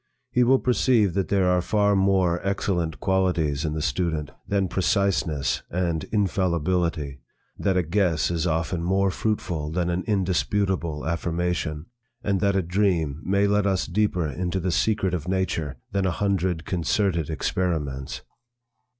He will perceive that there are far more excellent qualities in the student than preciseness and infallibility; that a guess is often more fruitful than an indisputable affirmation, and that a dream may let us deeper into the secret of nature than a hundred concerted experiments.